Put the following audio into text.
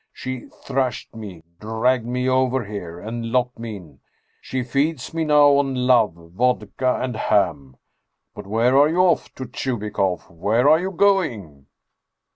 She thrashed me, dragged me over here, and locked me in. She feeds me now on love, vodka, and ham! But where are you off to, Chubikoff? Where are you going?"